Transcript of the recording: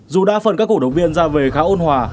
dù đa phần các cổ động viên ra về khá ôn hòa